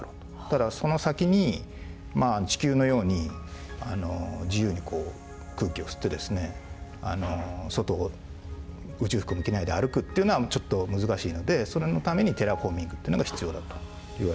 ただその先に地球のように自由にこう空気を吸ってですね外を宇宙服も着ないで歩くっていうのはちょっと難しいのでそれのためにテラフォーミングっていうのが必要だといわれてます。